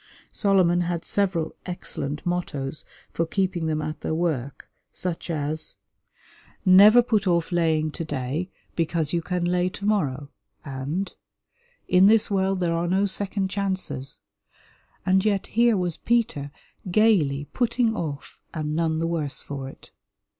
Solomon had several excellent mottoes for keeping them at their work, such as "Never put off laying to day, because you can lay to morrow," and "In this world there are no second chances," and yet here was Peter gaily putting off and none the worse for it.